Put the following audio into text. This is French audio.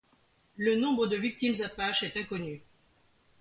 Le nombre de victimes apaches est inconnu.